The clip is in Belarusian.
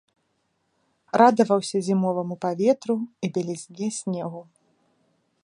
Радаваўся зімоваму паветру і бялізне снегу.